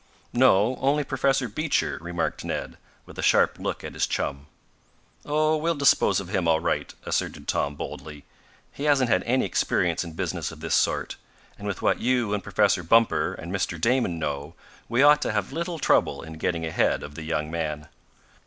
"No, only Professor Beecher," remarked Ned, with a sharp look at his chum. "Oh, we'll dispose of him all right!" asserted Tom boldly. "He hasn't had any experience in business of this sort, and with what you and Professor Bumper and Mr. Damon know we ought to have little trouble in getting ahead of the young man."